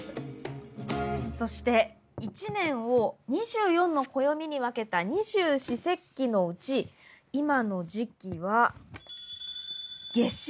そして一年を２４の暦に分けた二十四節気のうち今の時期は夏至。